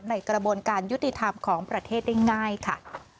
ในกระบวนการยุติธรรมของประเทศได้ง่ายค่ะ